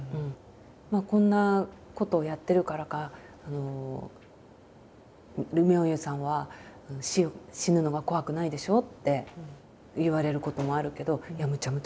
こんなことをやってるからか「妙憂さんは死ぬのが怖くないでしょ？」って言われることもあるけどいやむちゃむちゃ怖いですよ。